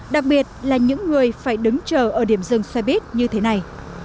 đặc biệt là những người phải đứng chờ ở điểm dừng xe buýt như thế này